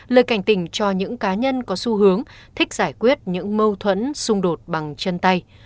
lời cảnh tỉnh cho những cá nhân có xu hướng thích giải quyết những mâu thuẫn xung đột bằng chân tay